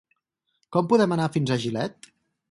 Com podem anar fins a Gilet?